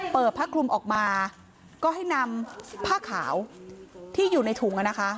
เปิดผ้าคลุมออกมาก็ให้นำผ้าขาวที่อยู่ในถุงอ่ะนะคะ